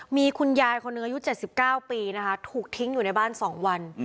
มีคุณยายคนหนึ่งอายุ๗๙ปีนะคะถูกทิ้งอยู่ในบ้าน๒วัน